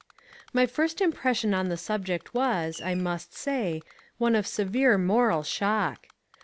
My first impression on the subject was, I must say, one of severe moral shock.